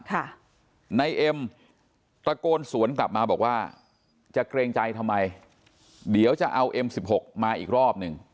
ค่ะในเอ็มตะโกนสวนกลับมาบอกว่าจะเกรงใจทำไมเดี๋ยวจะเอาเอ็มสิบหกมาอีกรอบหนึ่ง